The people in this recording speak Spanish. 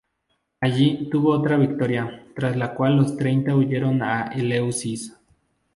Allí, obtuvo otra victoria, tras la cual los Treinta huyeron a Eleusis.